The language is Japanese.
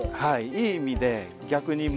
いい意味で逆に森。